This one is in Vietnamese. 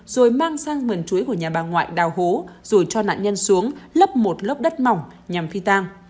rồi mang sang vườn chuối của nhà bà ngoại đào hố rồi cho nạn nhân xuống lấp một lớp đất mỏng nhằm phi tang